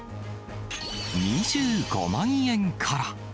２５万円から。